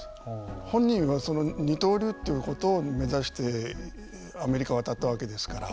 本人は二刀流ということを目指してアメリカ渡ったわけですから。